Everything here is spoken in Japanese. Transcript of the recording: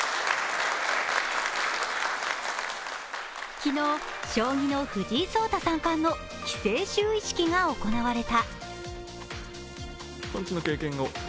昨日、将棋の藤井聡太三冠の棋聖就位式が行われた。